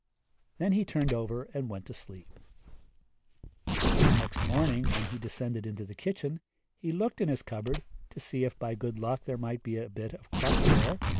Then he turned over and went to sleep. The next morning, when he descended into the kitchen, he looked in his cupboard, to see if by good luck there might be a bit of crust there.